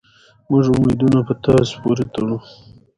هر څوک باید خپله ژبه درنه وګڼي.